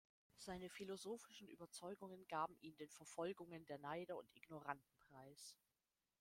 Seine philosophischen Überzeugungen gaben ihn den Verfolgungen der Neider und Ignoranten preis.